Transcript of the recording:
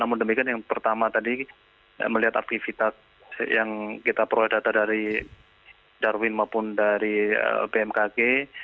namun demikian yang pertama tadi melihat aktivitas yang kita peroleh data dari darwin maupun dari bmkg